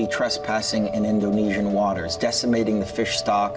ketika penjualan ikan di indonesia menyebabkan penurunan dan keuntungan